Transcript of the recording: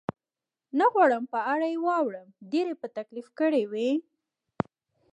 نه غواړم په اړه یې واورم، ډېر یې په تکلیف کړی وې؟